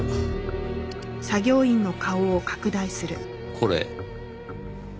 これ。